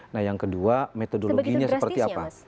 nah yang kedua metodologinya seperti apa